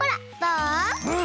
うん。